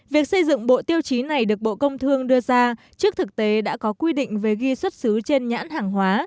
việc xây dựng bộ tiêu chí này được bộ công thương đưa ra trước thực tế đã có quy định về ghi xuất xứ trên nhãn hàng hóa